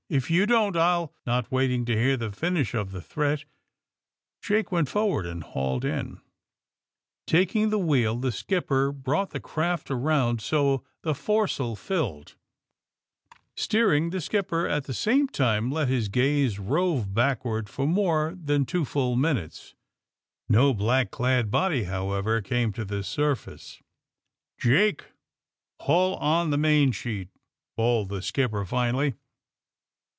If you don't, I'll " Not waitins: to hear the finish of the threat '& Jake went forward and hauled in. Taking the AND THE SMUGGLEES 67 wheel the skipper broiight the craft around so that the foresail filled. Steering, the skipper at the same time let his gaze rove backward for more than two full minutes. No black clad body, however, came to the surface. '' Jake I Haul on the mainsheet !'' bawled the skipper finally.